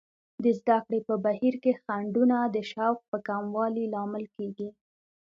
د زده کړې په بهیر کې خنډونه د شوق په کموالي لامل کیږي.